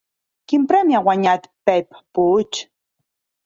Quin premi ha guanyat Pep Puig?